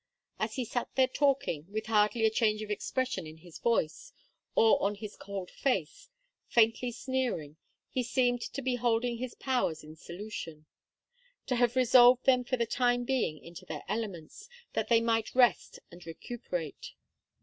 As he sat there talking, with hardly a change of expression in his voice or on his cold face, faintly sneering, he seemed to be holding his powers in solution; to have resolved them for the time being into their elements, that they might rest and recuperate.